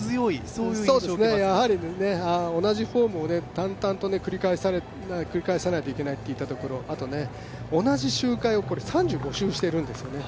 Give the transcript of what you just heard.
そうですね、同じフォームを淡々と繰り返さないといけないといったところ、あと同じ周回を３５周しているんですよね。